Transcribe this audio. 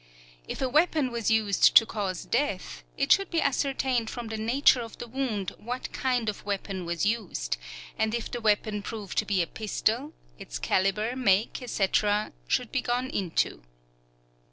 If a weapon was used to cause death, it should be ascertained from the nature of the wound what kind of weapon was used, and if the weapon prove to be a pistol, its calibre, make, etc., should be gone into.